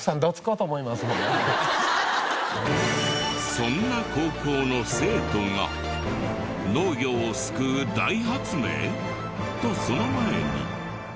そんな高校の生徒が農業を救う大発明？とその前に。